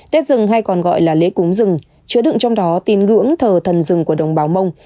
tết rừng hay còn gọi là lễ cúng rừng chứa đựng trong đó tin ngưỡng thờ thần rừng của đồng bào mông